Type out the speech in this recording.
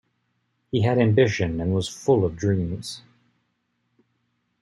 He had ambition and was full of dreams.